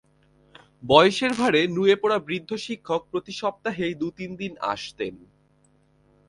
বয়সের ভারে নুয়ে পড়া বৃদ্ধ শিক্ষক প্রতি সপ্তাহেই দু–তিন দিন আসতেন।